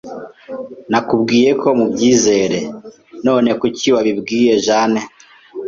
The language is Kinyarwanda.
Nakubwiye ko mubyizere, none kuki wabibwiye Jane?